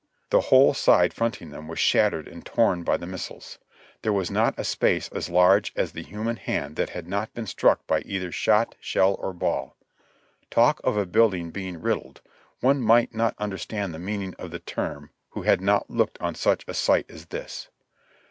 The whole side fronting them was shattered and torn by the missiles ; there was not a space as large as the human hand that had not been struck by either shot, shell or ball. Talk of a build ing being riddled, one might not understand the meaning of the term who had not looked on such a sight as this.